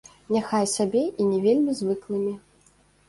Няхай сабе і не вельмі звыклымі.